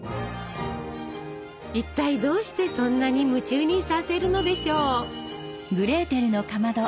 一体どうしてそんなに夢中にさせるのでしょう？